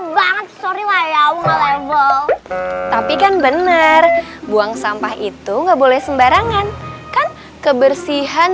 banget sorry wayang level tapi kan bener buang sampah itu nggak boleh sembarangan kan kebersihan